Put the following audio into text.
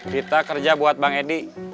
dita kerja buat bang edi